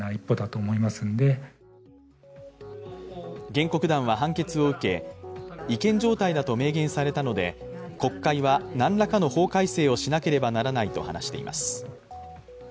原告団は判決を受け、違憲状態だと明言されたので、国会は何らかの法改正をしなければならないと話しています。